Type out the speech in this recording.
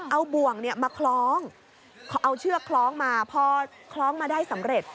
เอาบ่วงมาคล้องเอาเชือกคล้องมาพอคล้องมาได้สำเร็จ